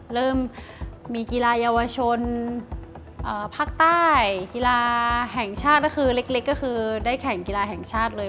เริ่มมีกีฬาเยาวชนภาคใต้กีฬาแห่งชาติก็คือเล็กก็คือได้แข่งกีฬาแห่งชาติเลย